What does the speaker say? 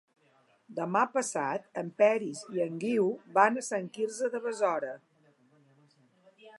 Demà passat en Peris i en Guiu van a Sant Quirze de Besora.